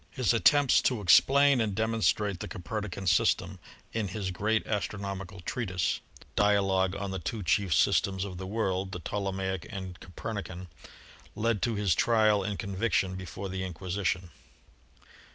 His attempts to explain and demonstrate the Copernican system in his great astronomi cal treatise, "Dialog on the Two Chief Systems of the World, the Ptolemaic and Copernican," led to his trial and conviction before the Inquisition.